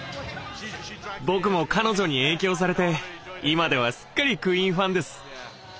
僕も彼女に影響されて今ではすっかりクイーンファンです。